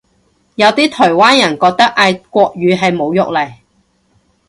有啲台灣人覺得嗌國語係侮辱嚟